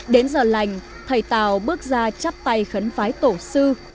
đến giờ lành thầy tào bước ra chắp tay khấn phái tổ sư